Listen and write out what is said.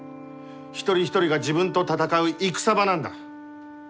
一人一人が自分と戦う戦場なんだ。